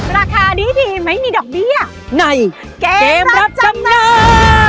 ราคาดีไม่มีดอกเบี้ยในเกมรับจำนำ